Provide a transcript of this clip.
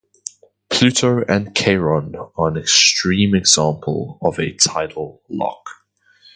Pluto and Charon are an extreme example of a tidal lock.